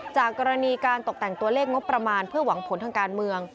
จากกรณีการตกแต่งตัวเลขงบประมาณเพื่อหวังผลทางการเมือง